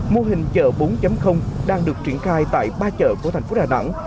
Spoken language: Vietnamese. mô hình chợ bốn đang được triển khai tại ba chợ của thành phố đà nẵng